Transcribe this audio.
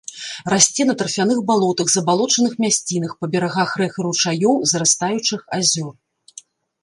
Расце на тарфяных балотах, забалочаных мясцінах, па берагах рэк і ручаёў, зарастаючых азёр.